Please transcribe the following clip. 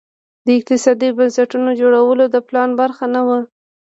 د اقتصادي بنسټونو جوړول د پلان برخه نه وه.